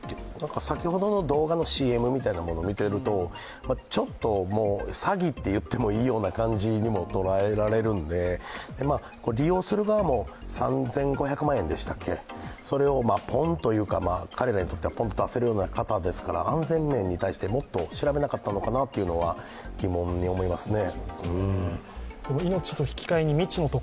先ほどの動画のＣＭみたいなものを見ていると、ちょっと詐欺と言ってもいいような感じにも捉えられるんで、利用する側も、３５００万円でしたっけ、それをポンというか、彼らにとってはぽんと出せるような方ですから安全面に対してもっと調べなかったのかなというのは疑問に思いますね。